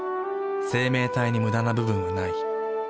生命体にムダな部分はない。